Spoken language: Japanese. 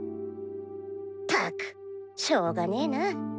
ったくしょうがねぇな。